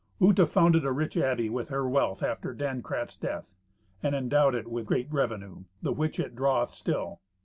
Uta founded a rich abbey with her wealth after Dankrat's death, and endowed it with great revenue, the which it draweth still.